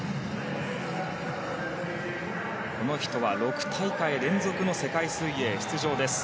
この人は６大会連続の世界水泳出場です。